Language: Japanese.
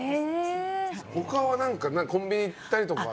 他は何かコンビニ行ったりとかは？